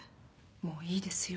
もういいですよ。